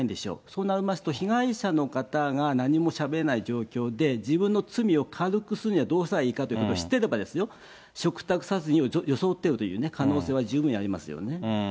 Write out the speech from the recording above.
そうなりますと、被害者の方が何もしゃべれない状況で、自分の罪を軽くするにはどうしたらいいかということを知ってればですよ、嘱託殺人を装っているという可能性は十分にありますよね。